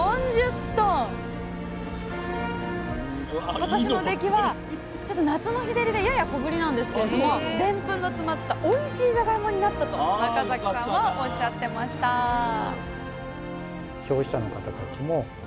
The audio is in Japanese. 今年の出来は夏の日照りでやや小ぶりなんですけれどもでんぷんの詰まったおいしいじゃがいもになったと中崎さんはおっしゃってましたじゃあ